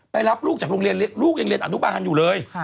รับลูกจากโรงเรียนลูกยังเรียนอนุบาลอยู่เลย